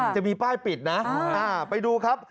จะมีป้ายปิดนะไปดูครับ